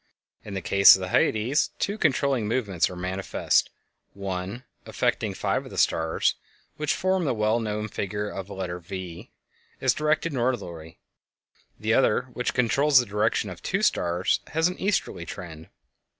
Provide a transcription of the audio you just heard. In the case of the Hyades, two controlling movements are manifest: one, affecting five of the stars which form the well known figure of a letter "V," is directed northerly; the other, which controls the direction of two stars, has an easterly trend.